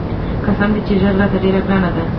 قسم دى چې ږيره راته ډېره ګرانه ده.